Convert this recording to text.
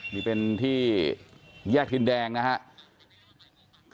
มีเป็นที่แยกลิ้นแดงนะคะ